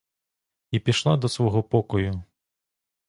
І пішла до свого покою.